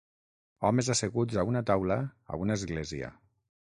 Homes asseguts a una taula a una església.